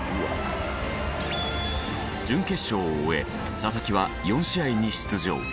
準決勝を終え佐々木は４試合に出場。